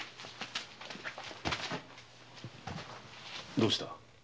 どうした？